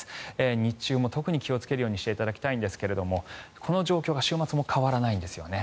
日中も特に気をつけるようにしていただきたいんですがこの状況が週末も変わらないんですよね。